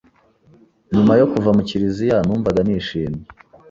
Nyuma yo kuva mu kiriziya numvaga nishimye